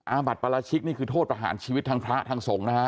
อาบัติปราชิกนี่คือโทษประหารชีวิตทางพระทางสงฆ์นะฮะ